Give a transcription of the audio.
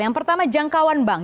yang pertama jangkauan bank